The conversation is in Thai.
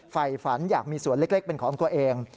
ฝ่ายฝันอยากมีส่วนเล็กเป็นของตัวเอง